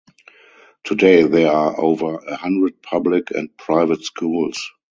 Today there are over a hundred public and private schools.